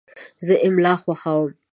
زه املا خوښوم.